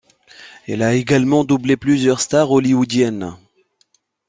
Elle a également doublé plusieurs stars hollywoodiennes.